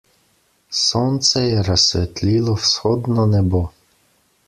Sonce je razsvetlilo vzhodno nebo.